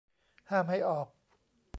ห้ามให้ออก